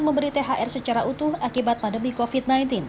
memberi thr secara utuh akibat pandemi covid sembilan belas